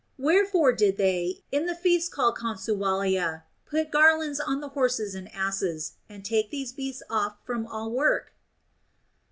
Wherefore did they, in the feasts called Consualia, put garlands on the horses and asses, and take these beasts off from all work